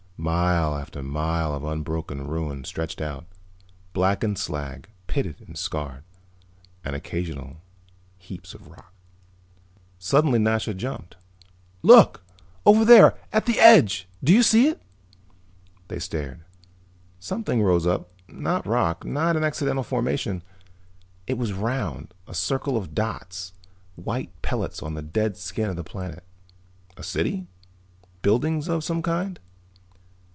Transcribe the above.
Mile after mile of unbroken ruin stretched out, blackened slag, pitted and scarred, and occasional heaps of rock. Suddenly Nasha jumped. "Look! Over there, at the edge. Do you see it?" They stared. Something rose up, not rock, not an accidental formation. It was round, a circle of dots, white pellets on the dead skin of the planet. A city? Buildings of some kind?